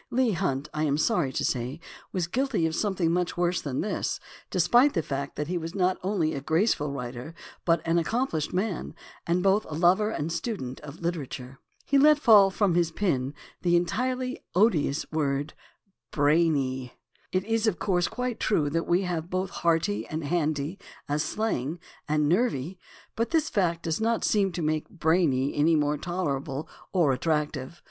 Leigh Hunt, I am sorry to say, was guilty of some thing much worse than this, despite the fact that he was not only a graceful writer, but an accomplished man, and both a lover and student of literature. He "let fall from his pen" (Correspondence, II, p. 104, letter to R. Bell, 1845) the entirely odious word "brainy." It is, of course, quite true that we have both "hearty" and "handy" and as slang "nervy," but this fact does not seem to make "brainy" any more tolerable or attractive.